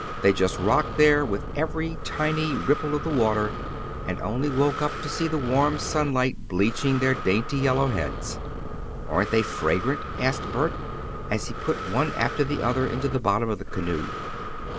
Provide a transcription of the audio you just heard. They just rocked there, with every tiny ripple of the water, and only woke up to see the warm sunlight bleaching their dainty, yellow heads. "Aren't they fragrant?" said Bert, as he put one after the other into the bottom of the canoe.